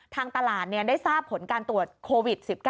ทางตลาดได้ทราบผลการตรวจโควิด๑๙